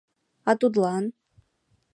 А тудлан?